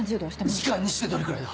時間にしてどれくらいだ？